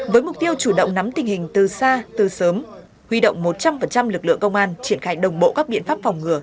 với mục tiêu chủ động nắm tình hình từ xa từ sớm huy động một trăm linh lực lượng công an triển khai đồng bộ các biện pháp phòng ngừa